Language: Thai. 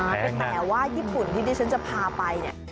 แต่ว่าญี่ปุ่นที่ดิฉันจะพาไปเนี่ย